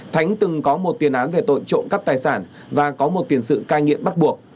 thánh từng có một tiền án về tội trộm cắp tài sản và có một tiền sự cai nghiện bắt buộc